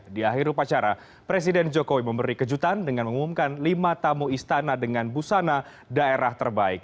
di akhir upacara presiden jokowi memberi kejutan dengan mengumumkan lima tamu istana dengan busana daerah terbaik